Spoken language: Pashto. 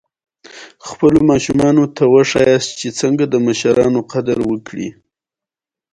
هغه یوه ورځ یو هوسۍ ونیوله خو خوشې یې کړه.